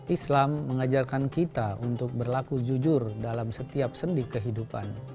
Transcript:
islam mengajarkan kita untuk berlaku jujur dalam setiap sendi kehidupan